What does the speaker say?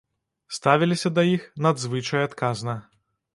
Ставілася да іх надзвычай адказна.